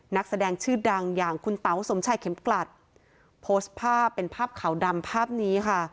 นักแสดงชื่อดังอย่างคุณเต๋าสมชายเข็มกลัดโพสต์ภาพเป็นภาพขาวดำภาพนี้ค่ะ